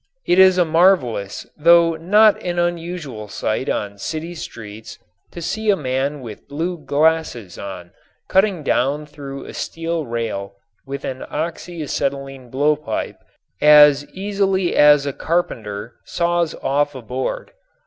It is a marvelous though not an unusual sight on city streets to see a man with blue glasses on cutting down through a steel rail with an oxy acetylene blowpipe as easily as a carpenter saws off a board.